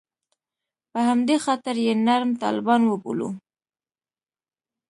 په همدې خاطر یې نرم طالبان وبولو.